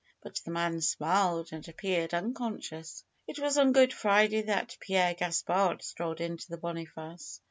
But the man smiled and appeared un conscious. It was on Good Friday that Pierre Gaspard strolled into the Boniface.